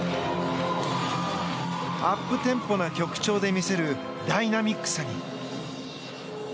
アップテンポな曲調で魅せるダイナミックさに。